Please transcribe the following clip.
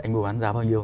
anh mua bán giá bao nhiêu